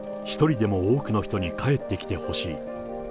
一人でも多くの人に帰ってきてほしい。